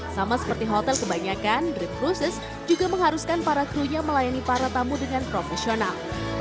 sama seperti hotel kebanyakan dream cruises juga mengharuskan para kru nya melayani para tamu dengan profesional